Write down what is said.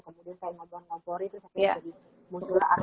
kemudian kayak ngobrol ngobroli terus akhirnya jadi musuh arsianak